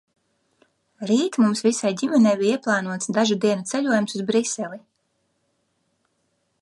Rīt mums visai ģimenei bija ieplānots dažu dienu ceļojums uz Briseli.